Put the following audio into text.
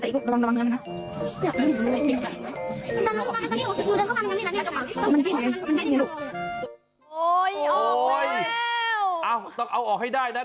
ต้องเอาออกให้ได้นะ